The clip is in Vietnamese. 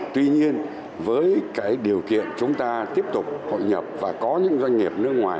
tuy nhiên với cái điều kiện chúng ta tiếp tục hội nhập và có những doanh nghiệp nước ngoài